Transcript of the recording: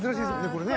これね。